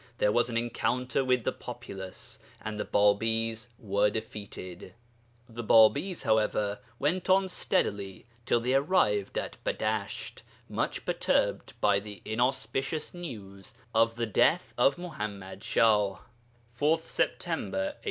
There was an encounter with the populace, and the Bābīs were defeated. The Bābīs, however, went on steadily till they arrived at Badasht, much perturbed by the inauspicious news of the death of Muḥammad Shah, 4th September 1848.